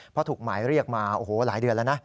เพราะถูกหมายเรียกมาโอ้โหหลายเดือนแล้วนะ